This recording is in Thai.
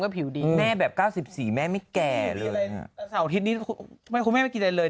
นะว่าผิวดีแม่แบบ๙๔ไม่แก่เลย